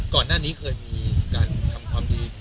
ก่อนหน้านี้เคยมีการทำความดี